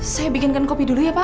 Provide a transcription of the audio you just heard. saya bikinkan kopi dulu ya pak